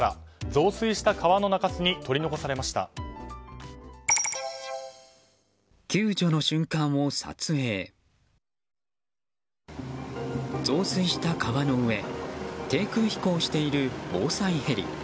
増水した川の上低空飛行している防災ヘリ。